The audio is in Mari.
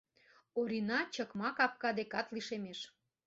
Орина чыкма капка декат лишемеш.